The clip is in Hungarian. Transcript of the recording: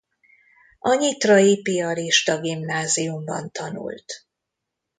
A Nyitrai Piarista Gimnáziumban tanult.